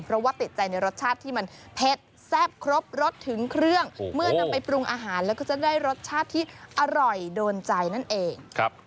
เพราะว่าติดใจในรสชาติที่มันเผ็ดแซ่บครบรสถึงเครื่องเมื่อนำไปปรุงอาหารแล้วก็จะได้รสชาติที่อร่อยโดนใจนั่นเอง